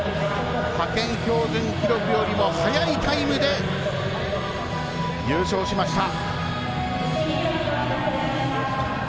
派遣標準記録よりも早いタイムで優勝しました。